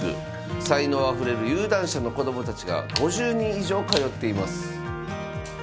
才能あふれる有段者の子供たちが５０人以上通っています。